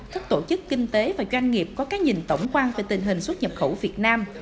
các tổ chức kinh tế và doanh nghiệp có cái nhìn tổng quan về tình hình xuất nhập khẩu việt nam